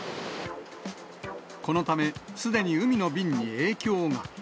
このため、すでに海の便に影響が。